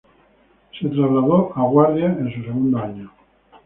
Se trasladó a guardia en su segundo año.